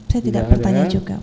saya tidak bertanya juga